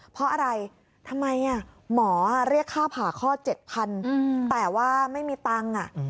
เพราะอะไรทำไมหมอเรียกค่าผ่าคลอด๗๐๐แต่ว่าไม่มีตังค์